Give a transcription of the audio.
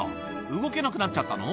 動けなくなっちゃったの？